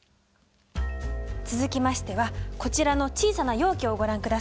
続きましてはこちらの小さな容器をご覧ください。